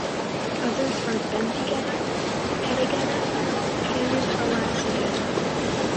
Others are Benjigedda, Peddagedda, Kandivalasa gedda.